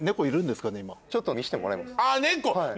ちょっと見せてもらいます？